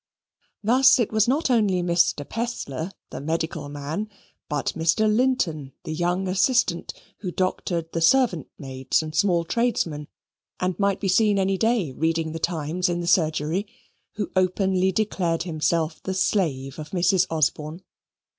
Thus it was not only Mr. Pestler, the medical man, but Mr. Linton the young assistant, who doctored the servant maids and small tradesmen, and might be seen any day reading the Times in the surgery, who openly declared himself the slave of Mrs. Osborne.